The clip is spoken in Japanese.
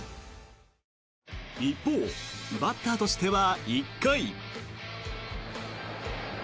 一方、バッターとしては１回。